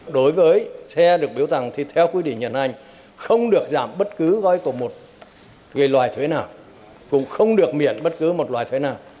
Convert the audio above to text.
đối với xe được biếu tặng thì theo quy định nhận hành không được giảm bất cứ gói cổ một loài thuế nào cũng không được miễn bất cứ một loài thuế nào